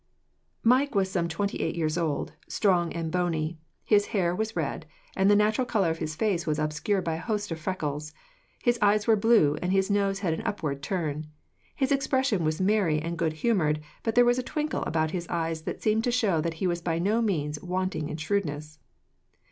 Mike was some twenty eight years old, strong and bony; his hair was red, and the natural colour of his face was obscured by a host of freckles; his eyes were blue, and his nose had an upward turn; his expression was merry and good humoured, but there was a twinkle about his eyes that seemed to show that he was by no means wanting in shrewdness.